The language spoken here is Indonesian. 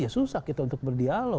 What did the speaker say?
ya susah kita untuk berdialog